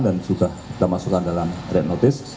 yang kita lakukan dalam red notice